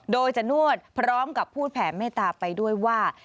โดยจะนวดพร้อมกับพูดแผ่เมตตาไปด้วยว่า